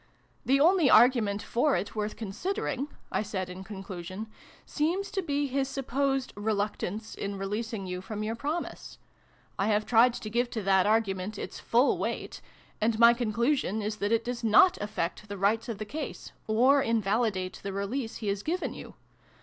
" The only argument for it, worth consider ing," I said in conclusion, " seems to be his supposed reluctance in releasing you from your promise. I have tried to give to that argument its full weight, and my conclusion is that it does not affect the rights of the case, or invalidate the release he has given you.